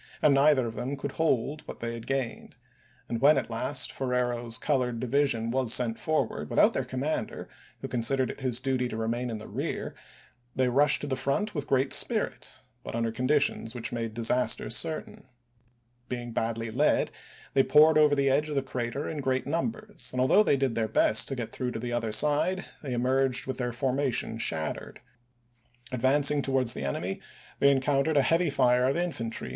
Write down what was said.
and neither of them could hold what they had gained ; and when at last Ferrero's colored division July 30, was sent forward without their commander, who 186± considered it his duty to remain in the rear, they rushed to the front with great spirit, but under conditions which made disaster certain. Being badly led, they poured over the edge of the crater Turner in great numbers, and although they did their best TRe^??y' to get through to the other side they emerged with o^comS their formation shattered. Advancing towards the ofi864e 65ar' enemy they encountered a heavy fire of infantry pp. ng m.